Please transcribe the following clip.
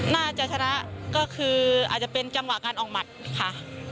น่าจะชนะก็คืออาจจะเป็นจังหวะการออกหมัดค่ะ